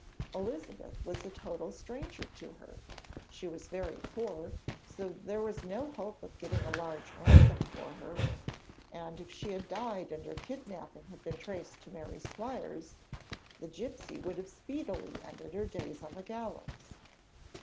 Elizabeth was a total stranger to her; she was very poor, so there was no hope of getting a large ransom for her; and if she had died and her kidnapping had been traced to Mary Squires, the gipsy would have speedily ended her days on the gallows.